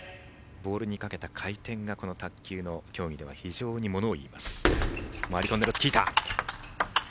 ボールにかけた回転が卓球の競技では非常にものをいいます。